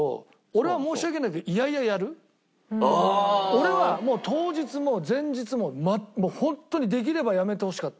俺は当日も前日ももうホントにできればやめてほしかった。